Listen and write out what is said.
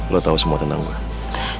lo tau semua tentang gue